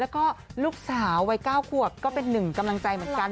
แล้วก็ลูกสาววัย๙ขวบก็เป็นหนึ่งกำลังใจเหมือนกัน